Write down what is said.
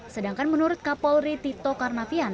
sedangkan menurut kapolri tito karnavian